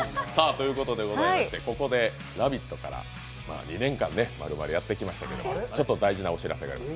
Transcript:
ここで「ラヴィット！」から２年間丸々やってきましたけど大事なお知らせがございます。